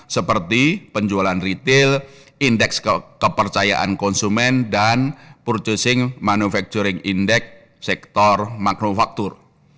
seperti penjualan retail indeks kepercayaan konsumen dan purchasing manufacturing index sektor manufaktur